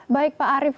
baik pak arief